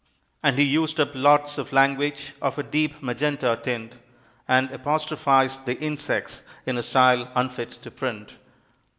And he used up lots of language of a deep magenta tint, and apostrophized the insects in a style unfit to print.